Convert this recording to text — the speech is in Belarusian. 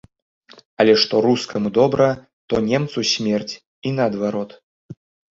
Але што рускаму добра, то немцу смерць, і наадварот.